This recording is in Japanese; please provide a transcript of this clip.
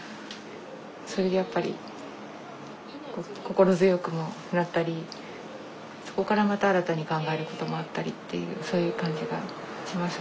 それでやっぱり心強くもなったりそこからまた新たに考えることもあったりっていうそういう感じがします。